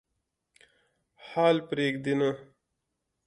حال پرېږدي نه.